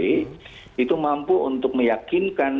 itu mampu untuk meyakinkan